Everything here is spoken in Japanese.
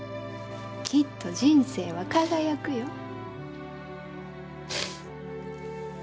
きっと人生は輝くよ。